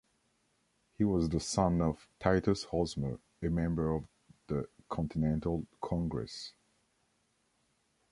He was the son of Titus Hosmer, a member of the Continental Congress.